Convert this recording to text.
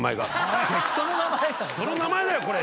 人の名前だよこれ！